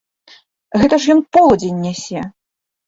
Гэта ж ён полудзень нясе!